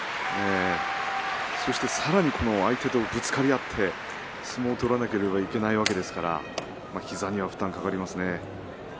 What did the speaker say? そしてさらに相手とぶつかり合って相撲を取らなければいけないわけですから膝には負担がかかりますよね。